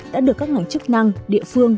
đã được các ngành chức năng địa phương